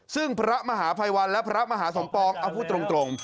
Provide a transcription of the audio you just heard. ซึ่งพระมหาภัยวันและพระมหาสมปองเอาพูดตรง